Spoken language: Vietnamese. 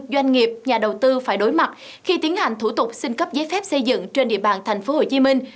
doanh nghiệp nhà đầu tư phải đối mặt khi tiến hành thủ tục xin cấp giấy phép xây dựng trên địa bàn tp hcm